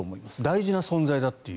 大事な存在だという。